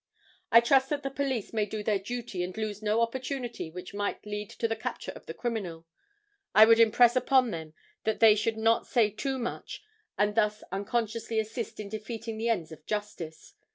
"I trust that the police may do their duty and lose no opportunity which might lead to the capture of the criminal. I would impress upon them that they should not say too much and thus unconsciously assist in defeating the ends of justice.